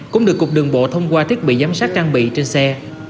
cũng được cục đường bộ thông qua thiết bị giám sát trang bị trên xe